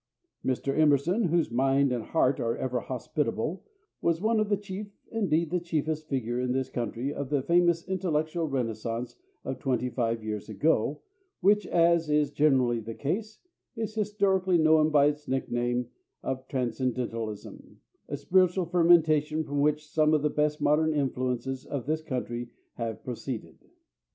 Mr. Emerson, whose mind and heart are ever hospitable, was one of the chief, indeed the chiefest, figure in this country of the famous intellectual "Renaissance" of twenty five years ago, which, as is generally the case, is historically known by its nickname of "Transcendentalism," a spiritual fermentation from which some of the best modern influences of this country have proceeded.